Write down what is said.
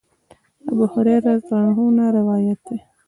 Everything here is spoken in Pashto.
د ابوهريره رضی الله عنه نه روايت دی :